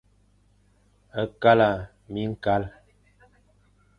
Kala miñkal.